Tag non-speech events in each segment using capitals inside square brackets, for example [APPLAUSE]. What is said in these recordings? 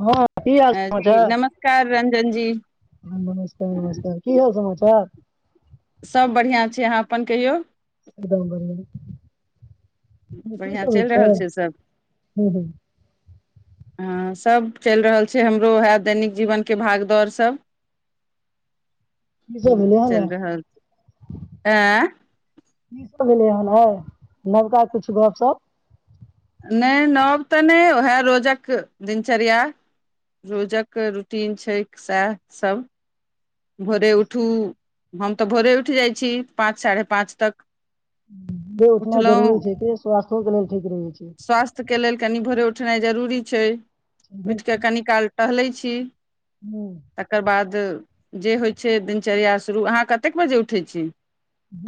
हँ की हाल अ, जी समाचार? नमस्कार रंजन जी नमस्ते! नमस्ते! की हाल समाचार? तोहर सभ बढ़िआँ छै। अहाँ अपन कहियौ? ह की बढ़िआँ सब होइ चलि छै? रहल सभ ह ह हँ सभ चलि रहल छै। हमरो उहए दैनिक जीवनके भागदौड़ सभ। की सब ह भेलै हन चलि आइ रहल आँ त भेलै हन होउ। नवका किछु गप-सप? नहि नब तऽ नहि वएह रोजक दिनचर्या रोजक रूटीन छैक सेह सब। भोरे उठू। हम तऽ भोरे उठि जाइ छी पाँच साढ़े पाँच तक। जे उठना उठलहुँ जरूरी छै कि स्वास्थो के लेल ठीक रहै छै। स्वास्थ्यके लेल कनि भोरे उठनाइ जरूरी छै। उठ कऽ कनी काल टहले छी। से हूँ तकर बाद जे होइ छै दिनचर्या शुरू। अहाँ कतेक बजे उठै छी?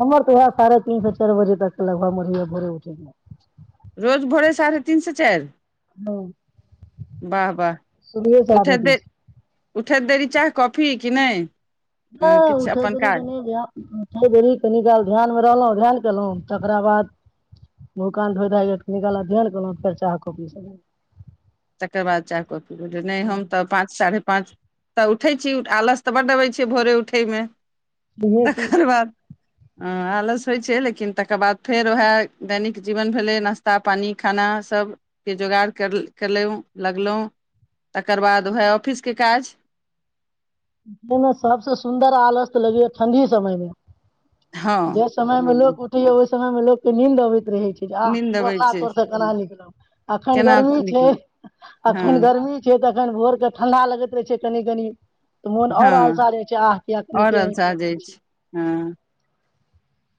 हमर तऽ ओहे साढ़े तीन से चार बजे तक के लगभग में रहैया भोरे उठे के। रोज भोरे साढ़े तीन से चारि? हाँ वाह वाह शुरूए से उठैत आदते देर छै। उठैत देरी चाय, कॉफी कि नै। नै उठै देरी के नै ध्यान, उठे देरी कनि काल ध्यान मे रहलौ, ध्यान केलौ। तकरा बाद मुंह कान धोए धाए के कनि काल अध्ययन केलौ फेर चाह, कॉपी सब तकर बाद चाह-कॉफी भेलै। नहि हम तऽ पाँच साढ़े पाँच तऽ उठै छी। आलस तऽ बड्डबै छियै भोरे उठैमे। मे तकर बाद हँ आलस होइ छै। लेकिन तकर बाद फेर उएह दैनिक जीवन भेलै नाश्ता पानि खाना सभ के जोगाड़ करल कर लऊं लगलौं, तकर बाद उहाए ऑफिस के काज उठे मे सबसे सुन्दर आलस लगै ए ठण्डी समय मे। हँ जे समय मे हँ लोक उठे या ओय समय मे लोक के नींद आबै रहै छै, नींद [UNINTELLIGIBLE] अबै ओड़ना छै तोर से कना निकलब, अखन केना गर्मी छै, निकल हँ अखन गर्मी छै तऽ अखन भोर के ठंडा लगैत रहे छै कनि-कनि। त मुन और हँ अलसा जाय छै, आह किया कनिक औरल स जाइ छै हँ [UNINTELLIGIBLE]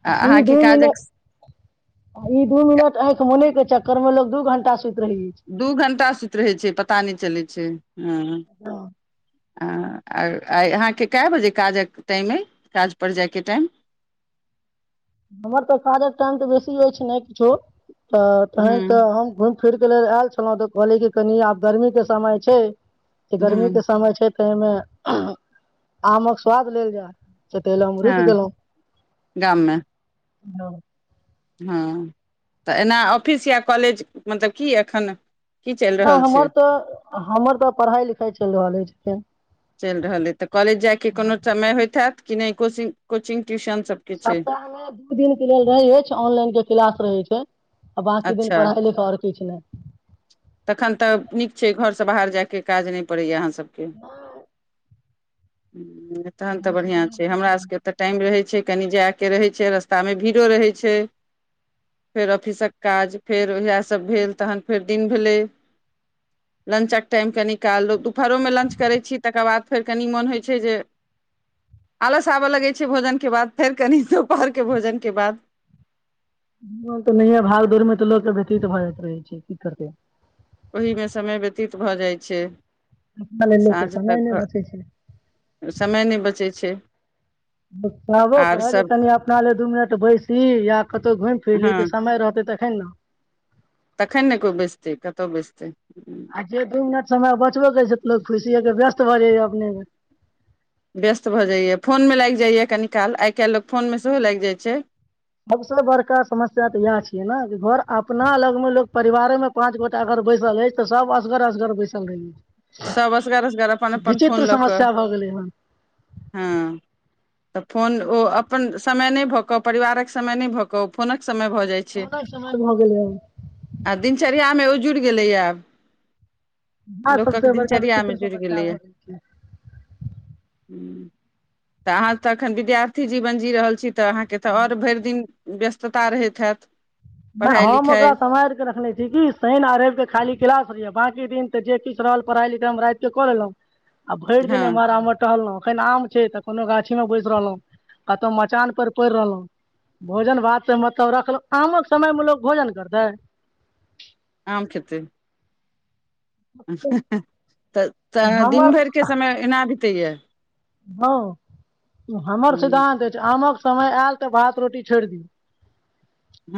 आ ई दू अहाँके काजक मिनट, अ ई दू मिनट एंख मुनै के चक्कर मे लोग दू घंटा सुति रहै अछि दु घंटा सुत रहै छै, पता नै चलै छै। हाँ। हँ आ अ आय अहाँ के काय बजे काजक टाएम ए, काज पर जाय के टाएम। हमर तऽ काजक टाइम ते बेसी एछ नै किछो। त तहेन त हूँ हम घुएम फिर के लेल आएल छलौ, तऽ कहलिये की कनी आब गर्मी के समय छै। ते गर्मी के हूँ समय छै। तै मे आमक स्वाद लेल जाय। से ते ले हम हँ रुक गेलौ। हाँ। हाँ तऽ एना ऑफिस या कॉलेज मतलब की अखन ना हमर ते, हमर ते पढ़ाई-लिखाई चैल रहल एछ। चैल रहलै तऽ कॉलेज जाय के कोनो समय होएत हाएत। कि नै कोचिंग, कोचिंग, ट्यूशन सबके छै सप्ताह मे दू दिन के लेल रहै एछ, ऑनलाइन के क्लास रहै छै। आ बाकी दिन अच्छा, पढ़ाइ लिखाइ आओर किछु नहि तखन त नीक छै घर से बाहर जाय के काज नै पड़ै या अहाँ नहि। हू। तहन तऽ बढ़ियां छै हमरा सबके एते टाइम रहै छै कनि जाय के रहै छै रास्तामे भीड़ो रहै छै फेर ऑफिसक काज फेर इहाए सब भेल, तहन फेर दिन भेले, लंचक टाइम कनि काल लोग फरो मे लंच करै छी तकर बाद फेर कनि मन होय छै जे आलस आबा लगै छै भोजन के बाद, फेर कनि दुपहर के भोजन के बाद तऽ नहिए भाग दौड़मे तऽ लोकके व्यतीत भऽ जाइत रहै छै की करतै। ओहीमे समय व्यतीत भऽ जाइत छै। अपना लेल लोकके साँझ समय तक नहि बचै छै घ समय नहि बचे छै। कहबो आर कर जे सभ कनि अपना लए दू मिनट बैसी या कतहु घुमि फिर ली हँ तऽ समय रहतै तखन ने। तखन ने कोओ बेचतै कतहु बेचतै। आ जे दू मिनट ब अपने। व्यस्त भऽ जाइए फोनमे लागि जाइए कनी काल आइ काल्हि लोक फोनमे सेहो लागि जाइत छै। सभसँ बड़का समस्या तऽ इएह छियै ने कि घर अपना लगमे लोक परिवारेमे पाँच गोटा अगर बैसल अछि तऽ सभ असगर असगर बैसल रहै अछि। सब असगार असगार अपन अपन फोन लऽ कऽ समस्या भऽ गेलै हन हँ तऽ फोन ओ अपन समय नहि भऽ कऽ परिवारक समय नहि भऽ कऽ ओ फोनक समय भऽ जाइ छै कोरोनाके समय भऽ गेलै हन आ दिनचर्यामे जुड़ि गेलैए आब। हँ सब। लोकक बड़ा भी छै दिनचर्यामे त जुड़ि समस्या गेलैए हो छै। ह तऽ अहाँ तऽ एखन विद्यार्थी जीवन जी रहल छी। तऽ अहाँके तऽ आओर भरि दिन व्यस्तता रहैत हैत। पढ़ाइ हम ओकरा लिखाइ सम्हारििकऽ रखने छी कि शहिन अरबके खाली क्लास रहहिै बाँकी दिन तऽ जे किछु रहल पढ़ाइ लिखाइ हम राततििके कऽ लेलहुँ। आब भरि हँ दने मर आम मटो हलहु। अखन आम छै त कोनो गाछी मे बैस रहलहुं कतहु मचान पर पड़ि रहलहु भोजन भात से मतलब रखलहु आमक समय मे लोक भोजन करतै। आम खेत तऽ तऽ दिन हमर भरि के समय एना तेए। हँ। हमर हँ सिद्धानं्त अछि आमक समय आयल तऽ भात रोटी छोड़ि दियौ।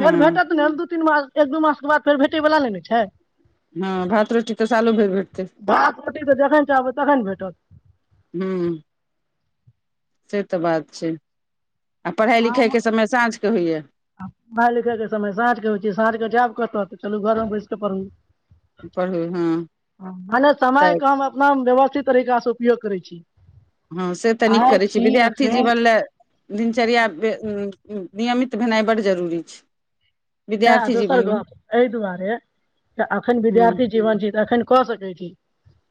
फेर भेठत त नेू। [UNINTELLIGIBLE] दू तीन मास एक दू मास के बाद फेर भेटै बालला नहि ने छै। [UNINTELLIGIBLE] हँ भात रोटी तऽ चालू भेर भेट। भात रोटी तऽ जखन चाहबै तखन भेटत। हूँ [UNINTELLIGIBLE] से तऽ बात छै। [UNINTELLIGIBLE] आ पढ़ाइ लिखाइके समय साँझकेँ होइए। आ पढ़ाइ लिखैके समय साँझ क होइ छै साँझ कऽ जायब कहतऽ तऽ चलू घरमे बैस कऽ पढ़। पढ़ू हँ मने समय तऽ कम अपना व्यवस्था। तरीकासँ उपयोग करै छी। [UNINTELLIGIBLE] हँ से तऽ नीक आइ करैत छै छी विद्यार्थी एखन जीवन लए- दिनचर्या। [UNINTELLIGIBLE] नियमित भेनाइ बड्ड जरूरी छै। [UNINTELLIGIBLE] इ विद्यार्थी दोसर जीवनमे गप एहि दुआरे अखन हूँ विद्यार्थी जीवन छी तऽ एखन कऽ सकैत छी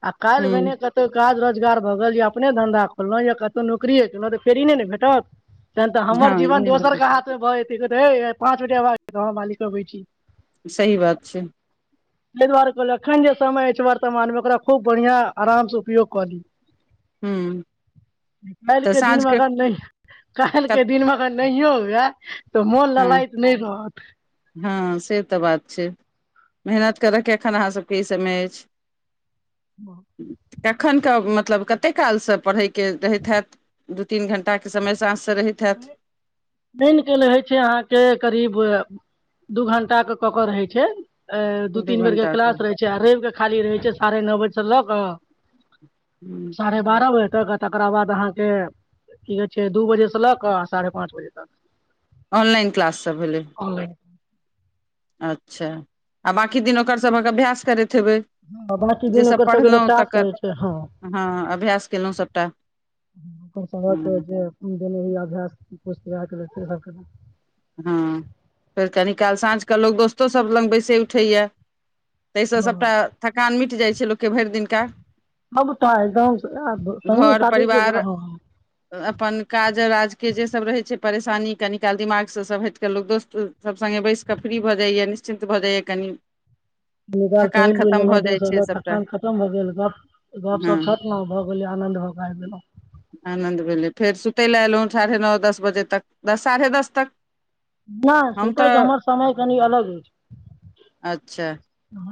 आ काल्हि हूँ भेने कतौ काज रह। रोजगार भऽ गेल जे अपने धंधा खोलहुँंा कतहु नौरिए केलहुँ तऽ फेरी नहि ने भेटत। [UNINTELLIGIBLE] तहन तऽ हमर हँ ई जीवन नहि दोसर के भेटत हाथ मे भ जेते। पाँचटेवाज। [UNINTELLIGIBLE] गव मालिको होै छी। [UNINTELLIGIBLE] सही बात छै। [UNINTELLIGIBLE] ताहि दुआरे कहलियै एखन जे समय अछि वर्तमानमे ओकरा खूब बढ़िआँ आरामसँ उपयोग कऽ ली। हूँ [UNINTELLIGIBLE] [UNINTELLIGIBLE] काल् तऽ के दिन साँझके मगर नहि- काल् कत के दिन मग। नहि होगा। [UNINTELLIGIBLE] तऽ मोन ल हँ लायत नहि रहत। [UNINTELLIGIBLE] हँ से तऽ बात छै मेहनत करयके एखन अहाँ सभके इसभमे अछि। [UNINTELLIGIBLE] बाह। [UNINTELLIGIBLE] कखने मतलब कतेक कालसँ पढ़ै। के रहै छथि। [UNINTELLIGIBLE] दू तीन घं्टा के समयसँ। [UNINTELLIGIBLE] लेल होइ छै अहाँ। [UNINTELLIGIBLE] के करीब दू घं्टा के ककर रहै छै। [UNINTELLIGIBLE] अ दू तीन बेर के क्लास रहे छै आ रवििक। खाली रहै छै साढ़े नओ बजे से लऽ कऽ। [UNINTELLIGIBLE] साढ़े बारह बजे। [UNINTELLIGIBLE] तकरा बाद अहाँके की- कहै छै- दू बजेसँ लग। क साढ़े पाँच बजे तक। [UNINTELLIGIBLE] Online class. [UNINTELLIGIBLE] त भेलले। [UNINTELLIGIBLE] ऑनलाइन अच्छा आ बाँाकी दिन ओकर सबक अभ्यास करैत। हेबै ह बकी जे दिन ओकर सब जे पढ़लहुँ रहै तकर छै ह हँ अभ्यास केलहुँ सभटा सभ हँ जे अभ्यास पुछ सब हँ फेर कनि काल साँझकेँ लोक दोस्तोसभ लग बैसे उठैए। ताहिस सबटा हँ थकान मिट जाइ छै। छै लोकके भरि दिनका। सबटा एकदम [UNINTELLIGIBLE] [UNINTELLIGIBLE] संगी घर साथीके परिवार अपन- काज राज के जे सब रहै छै। परेशानी कनि काल दमाग। [UNINTELLIGIBLE] लोक सभ हटि कऽ लोक दोस्तसभ सङ्गे बैस कऽ फ्री भऽ जाइए निश्चिन्त भऽ जाइए कनि। [UNINTELLIGIBLE] निकाल थकान टहल बुल खतम लेलहुँ भऽ जाइ छै दरस सभटा थकान खतम भऽ गेल गप गपप हँ छटलहु भऽ गेलै आनन्द भऽ कऽ आबि गेलहु। कतहि लए एलहुँ साढ़े नओ दस बजे तक दस साढ़े दस तक नहि हम सुतैके तऽ हमर समय कनि अलग अछि। अच्छा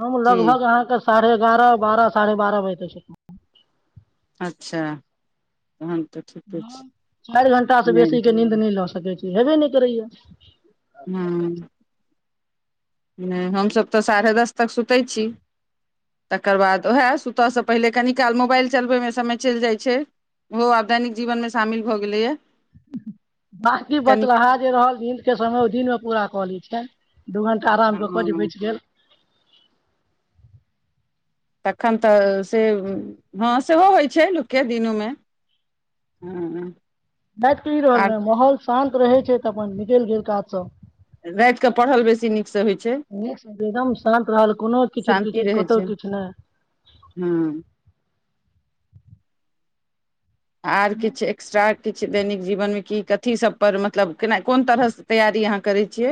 हम की लगभग अहाँके साढ़े एगारह बारह साढ़े बारह बज तऽ छै अच्छा। तहन तऽ ठीके ह छै चारि घंटा से नहि बेसी के नींन्द नहि ल सै छै हेबे नहि करैय। हँ। हमसभ तऽ साढ़े दस तक सुतै छी तकर बाद उएह सुतयसँ पहिले कनि काल मोबाइल चलबैमे समय चलि जाइत छै ओहो आब दैनिक जीवनमे शामिल भऽ गेलैए बकी कनिक बतलाहा जे रहल नीद के समय ओहि दिनमे पूरा कऽ लैत छियनि। दू घण्टा आराम कऽ कऽ जे हँ बचि गेल तखन तऽ से हँ सेहो होइत छै लोकके दिनूमे हँ। ब की आर रहलल माहौल। शान्त रहै छै तऽ अपन निकलि गेल काज सब। रातिके पढ़ल बेसी नीकसँ होइ छै नीक छै एकदम शान्त रहल कोनो कीचिड़ शान्ति कीचिड़ रहै कतहु छै किछु नहि हँ। आर किछु एक्स्ट्रा किछु दैनिक जीवनमे की कथी सभपर मतलब केना कोन तरहसँ तैयारी अहाँ करै छियै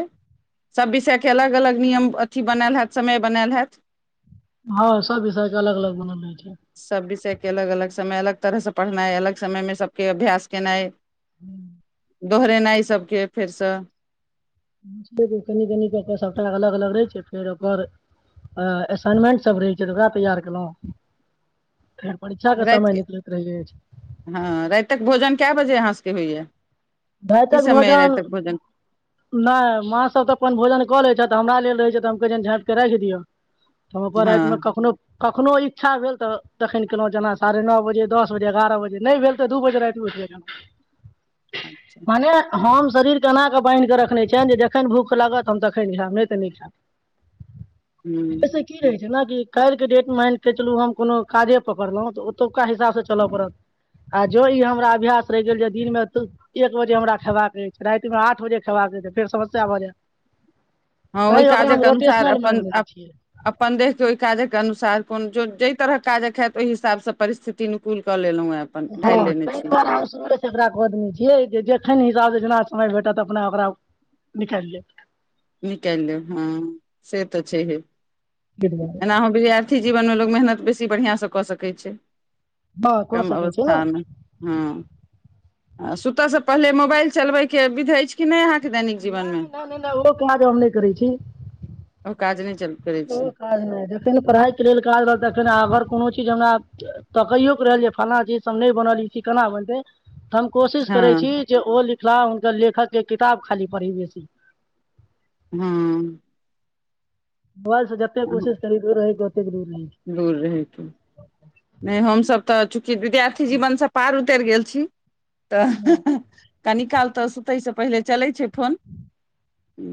सभ विषयके अलग अलग नियम अथी बनायल हैत समय बनायल हैत। हँ सब विषयके अलग अलग बनल रहै छै। सब विषय अलग अलग समय अलग तरह प ना अलग समय मे सबके अभ्यास केनाइ। हू। दोहरेनाइइ सभके फेरसँ म कनि कनि कऽ कऽ सभटाक अलग अलग रहै छै फेर ओकर असाइनमेंटसभ रहै छै तऽ ओकरा तैयार कयलहुँ। रातिके हँ रातिक भोजन कए बजे अहाँसभके होइए। भइतक भोजन नहि माँ सब तऽ अपन भोजन कऽ लै छथि हमरा लेल। रहै छै तऽ हमक जनि झप करैखे दियौ। [UNINTELLIGIBLE] त हम अपन रातिमे हँ कखनो। [UNINTELLIGIBLE] कखनहु इच्छा भेल तऽ तखन कलहुँ जेना साढ़े नओ बजे दस बजे एगारह बजे नहि भेल तऽ दू बजे राति उैठबै। [UNINTELLIGIBLE] अच्छा मने हम। [UNINTELLIGIBLE] शरीरके एन कऽ बान्हि कऽ रखने छियनि जे जखन भूख लागत हम तखन खायब नहि तऽ नीक खयब। [UNINTELLIGIBLE] एहि हूँ पस की रहै छै। जेनाकि काल्हिके डेट मानिके चलू हम कोनो काजे पकड़लहुँ तऽ ओतुका हिसाबसँ चलय पड़त आ जो ई हमरा अभ्यास रहि गेल जे दिनमे एक बजे हमरा खेबाक अछि रातिमे आठ बजे खेबाक अछि छै फेर समस्या भऽ जाय। हँ ओहि काजके अनुसार मानि अपन लेने छियै -अपन देशके ओहि काजके अनुसार। [UNINTELLIGIBLE] कोन जो जाई तरह काजक हयैत ओहि हिसाब से प परिथि अनुकूल कऽ लेलों हे। [UNINTELLIGIBLE] हँ त दुआरे हम आदमी छियै जखन हिसाब। [UNINTELLIGIBLE] समय भेटत अपना ओकरा -निकालि ले। [UNINTELLIGIBLE] निकाल लौ हँ से त छै ह। [UNINTELLIGIBLE] ताहि दुआरे एना हो वि्यारथी जीवन में ल मेहनत बेसी। ी बढ़िआं से कऽ सकै छै। [UNINTELLIGIBLE] हँ कऽ कम सकै छी ने अवस्थामे हँ। [UNINTELLIGIBLE] आ सुतयसँ पहिले मोबाइल चलबैके विध अछि कि नहि अहाँके। [UNINTELLIGIBLE] जीवनमे नहि -नहि -नहि -नहि ओहो काज हम नहि करै छी। ओ काज नहि चल करै छी। कोनो [UNINTELLIGIBLE] काज नहि जखन पढ़ाइके लेल काज रहल तखन अगर कोनो चीज हमरा तकैयओके रहल जे फल्लाना चीज हम नहि बनल ई च केना बनतै। [UNINTELLIGIBLE] हम कोशिश करै हँ छी जे ओ। [UNINTELLIGIBLE] मिथिला हुनकर लेखक के किताब खाली पढ़ी बेस। [UNINTELLIGIBLE] हँ। [UNINTELLIGIBLE] बस जप्पे कोशिश करी दूर हो। [UNINTELLIGIBLE] जरूर नहि। दूर रहैके [UNINTELLIGIBLE] नहि हमसभ तऽ चूँकि विद्यार्थी जीवनसँ पार उतरि गेल छी। [UNINTELLIGIBLE] तऽ छी -कनी काल। तऽ सुतैसँ पहिले चलै छै फोन-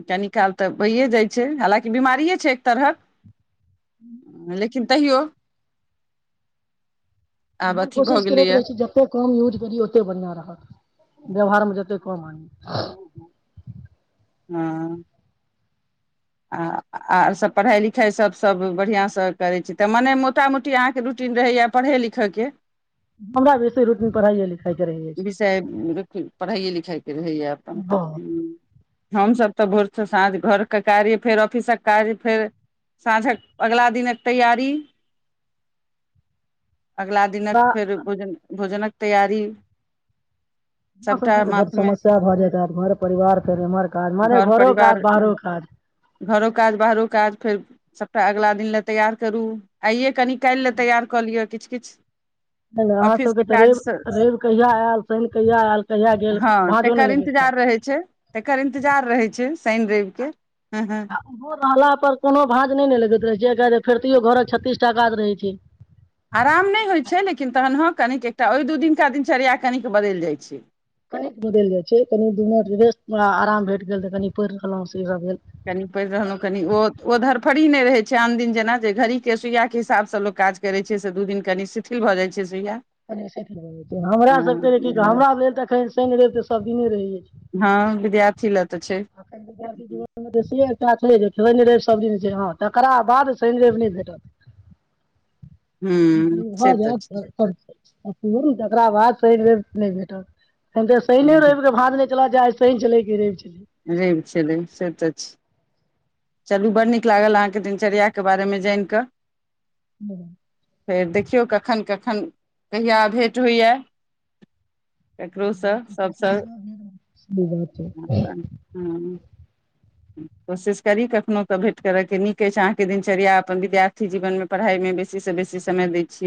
कनि काल तऽ भहिए जाइ छै हालाँकि बिीमारिए छै एक तरहक। [UNINTELLIGIBLE] ल लेकिन। [UNINTELLIGIBLE] कहियौ। [UNINTELLIGIBLE] हम कोशिश करैत गेलैए रहै छी जतेक कम यूज करी ओतेक बढ़िआँ रहत। [UNINTELLIGIBLE] व्यवहारमे जतेक कम आनि। [UNINTELLIGIBLE] हँ। [UNINTELLIGIBLE] आ- आर सभ पढ़ाइ लिखाइसभ सभ बढ़िआँसँ करै छी तऽ मने मोटा मोटी अहाँके रूटीन रहैए पढ़य लिखयके। [UNINTELLIGIBLE] हमरा बेसी रूटीन पढ़ाइै। विषय पढ़ाइय लिख फिरैय अपन बहुत हमसभ तऽ भोरस साँझ घर के कार्य फेर ऑफिसक कार्य फेर साँझक अगलाा दिनक तैयारी। अगलाा दिनक हमरा फेर भोजन। भोजनक तैयरी। [UNINTELLIGIBLE] हम सबके तऽ बड़ माथमे समस्या भऽ जेतै घर परिवार फेर एम्हर काज माने घर घरो काज परिवार बाहरो काज। [UNINTELLIGIBLE] सबटा अगलाा दिन लए तैयार करू आइे। [UNINTELLIGIBLE] कनि काल् लए तैयार कऽ लियअ किछु। किछु। नहि अहाँ ऑफिस के सबके तऽ रव काज रेव कहिया आयल शन कहिय आयल कहिय हँ तकर इंतजार रहे छै तकर इंतजार रहै छै। सइन रेवके। आ ओहो रहला पर कोनो भाँंज नहि ने लगैत रहै छै क। फेरियो घरक छतीस टा ग रही छैी। आराम नहि होइ छै लेकिन तखन ह कनिक एकटा ओहि दू दिनका दिनचर्या कनिक बदलि जाइत छै। कन बदल जाइ छै कनि दु आराम भेट गेल तऽ कनि पढ़ि रहलहु। कनि पड़ि रहलहुँ कनि ओ ओ धरफट नहि रहै छै आन दिन जेना जे घड़ी के सुइया के हिसाबसँ लोक काज करै छै से दू दिन कनि शिथििल भऽ जाइ छै। सुइया हमरा सबके की कह हँ हमरा लेल तऽ एखन शनि रव ते सभदिने रहैए हँ विद्यार्थी ल आ जीनमे शनि रव सबदिन छै हँ तकरा बाद शनि रवि नहि भेटत। हूँ भ से तऽ जा। तकरा बाद स बेर नहि भेटल। ए सहने छै रव भाँज नहि चला जाइ छै ती चलै क रहे चल। र छै से तऽ छै। चलू बडड़ड नीक लागल अहाँके दिनचर्याके बारेमे जानि कऽ। हँ, फेर देखियौ कखन कखन एखन कहिया भेट होइए। ककरोसँ सभसँ सही बात छै। ह। तस करी कखनो तऽ भेंट करऽ के नीक अछि अहं के दिनचर्या अपन विद्यार्थी जीवन मे पढ़ाई मे बेसी से बेसी समय देय छियै।